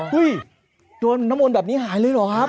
โดนน้ำมนต์แบบนี้หายเลยเหรอครับ